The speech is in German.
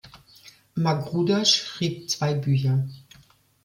Magruder schrieb zwei Bücher.